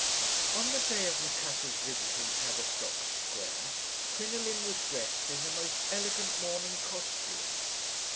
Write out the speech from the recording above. "On the day of Macassar's visit in Tavistock Square, Crinoline was dressed in a most elegant morning costume.